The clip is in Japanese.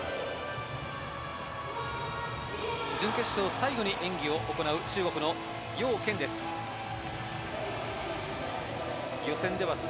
準決勝、最後に演技を行う中国のヨウ・ケンです。